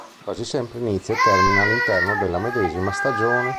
Quasi sempre inizia e termina all'interno della medesima stagione.